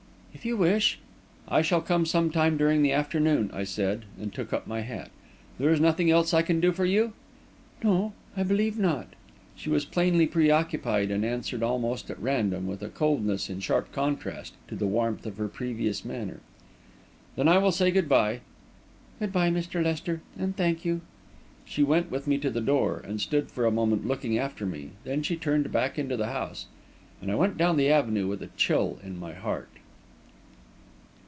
"If you wish." "I shall come some time during the afternoon," I said, and took up my hat. "There is nothing else I can do for you?" "No, I believe not." She was plainly preoccupied and answered almost at random, with a coldness in sharp contrast to the warmth of her previous manner. "Then I will say good bye." "Good bye, Mr. Lester; and thank you." She went with me to the door, and stood for a moment looking after me; then she turned back into the house. And I went on down the avenue with a chill at my heart.